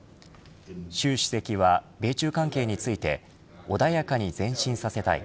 習主席は米中関係について穏やかに前進させたい。